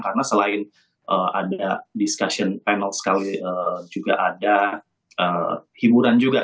karena selain ada discussion panel sekali juga ada hiburan juga